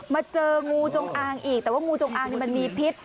เจองูจงอางอีกแต่ว่างูจงอางนี่มันมีพิษ